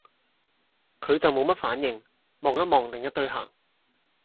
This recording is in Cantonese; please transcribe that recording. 佢就無乜反應，望一望另一堆客